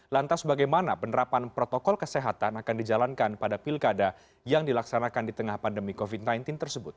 lantas bagaimana penerapan protokol kesehatan akan dijalankan pada pilkada yang dilaksanakan di tengah pandemi covid sembilan belas tersebut